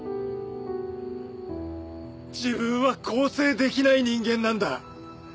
自分は更生できない人間なんだ。